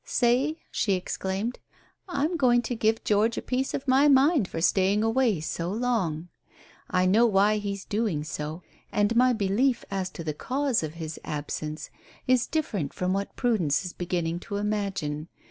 "Say?" she exclaimed. "I'm going to give George a piece of my mind for staying away so long. I know why he's doing so, and my belief as to the cause of his absence is different from what Prudence is beginning to imagine.